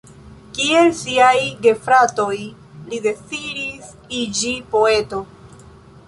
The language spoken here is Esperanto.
Kiel siaj gefratoj, li deziris iĝi poeto.